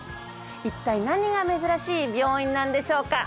一体何が珍しい病院なんでしょうか？